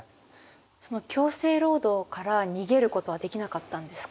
その強制労働から逃げることはできなかったんですか？